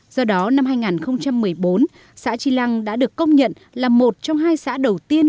do đó năm hai nghìn một mươi bốn xã tri lăng đã được công nhận là một trong hai xã đầu tiên